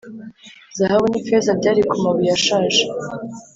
zahabu n ifeza byari ku mabuye ashaje